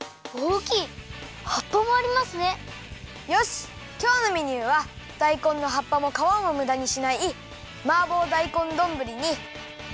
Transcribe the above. きょうのメニューはだいこんの葉っぱもかわもむだにしないマーボーだいこんどんぶりにきまり！